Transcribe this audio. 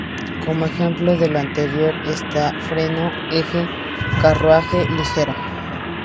Como ejemplo de lo anterior están: 軔, ‘freno’; 軸, ‘eje’; 軺, ‘carruaje ligero’.